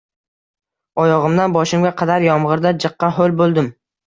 Oyogʻimdan boshimga qadar yomg'irda jiqqa ho'l bo'ldim.